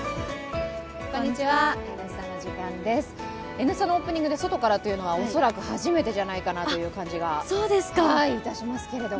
「Ｎスタ」のオープニングで外からというのは恐らく初めてという感じがしますけれども。